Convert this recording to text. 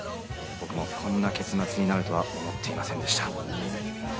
僕もこんな結末になるとは思っていませんでした。